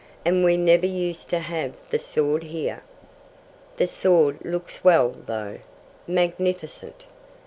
And we never used to have the sword here." "The sword looks well, though." "Magnificent."